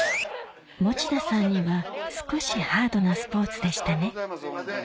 持田さんには少しハードなスポーツでしたね